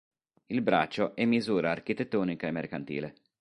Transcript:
Il braccio è misura architettonica e mercantile.